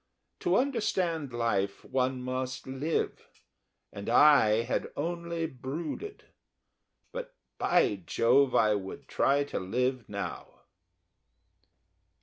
To understand life one must live and I had only brooded. But, by Jove, I would try to live now.